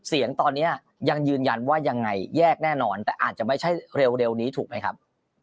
เสียงตอนนี้ยังยืนยันว่ายังไงแยกแน่นอนแต่อาจจะไม่ใช่เร็วนี้ถูกไหมครับ